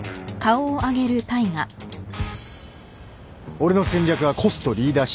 俺の戦略はコストリーダーシップ戦略。